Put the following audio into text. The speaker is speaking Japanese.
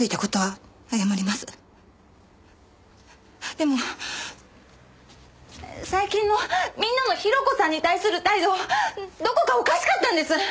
でも最近のみんなの広子さんに対する態度どこかおかしかったんです！